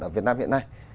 ở việt nam hiện nay